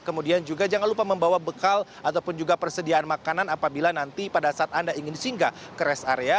kemudian juga jangan lupa membawa bekal ataupun juga persediaan makanan apabila nanti pada saat anda ingin singgah ke rest area